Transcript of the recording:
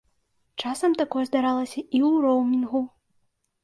Часам такое здаралася і ў роўмінгу.